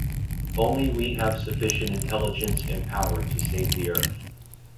Only we have sufficient intelligence and power to save the Earth.